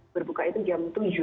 berbuka itu jam tujuh